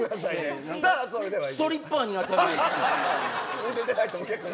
ストリッパーになったような。